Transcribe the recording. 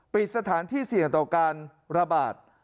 ปิดสถานที่เสี่ยงต่อการระบาด